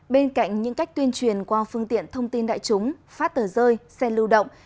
bên cạnh những cách tuyên truyền qua phương tiện thông tin đại chúng phát tờ rơi xe lưu động